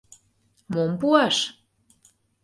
— Мом пуаш?